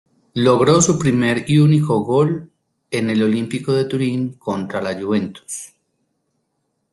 Logró su primer y único gol en el Olímpico de Turín contra la Juventus.